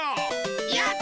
やった！